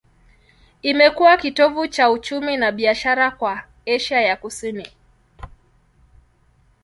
Imekuwa kitovu cha uchumi na biashara kwa Asia ya Kusini.